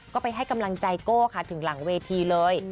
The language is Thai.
ก็ไปให้กำลังใจโก้ค่ะถึงหลังเวทีเลย